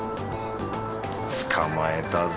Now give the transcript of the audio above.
捕まえたぞ